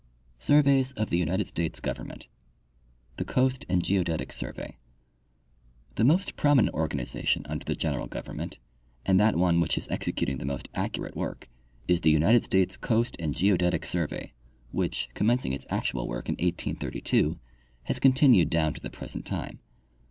Surveys of the United States Government. The Coast and Geodetic Survey. — The most prominent organiza tion under the general government, and that one which is execut ing the most accurate work, is the United States Coast and Geodetic survey, which, commencing its actual work in 1832, has continued down to the present time.